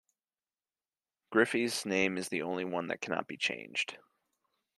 Griffey's name is the only one that cannot be changed.